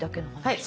はい。